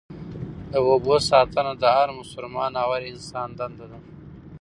د اوبو ساتنه د هر مسلمان او هر انسان دنده ده.